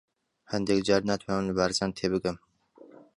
هەندێک جار ناتوانم لە بارزان تێبگەم.